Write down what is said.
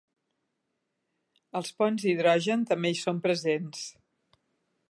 Els ponts d'hidrogen també hi són presents.